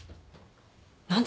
何で？